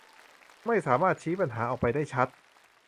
ไม่สามารถชี้ปัญหาออกไปได้ชัด